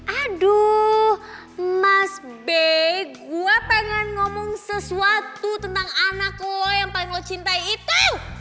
aduh mas b gue pengen ngomong sesuatu tentang anakku yang paling lo cintai itu